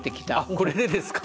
これでですか？